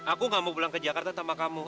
aku gak mau pulang ke jakarta sama kamu